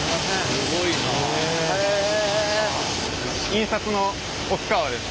印刷の奥川です。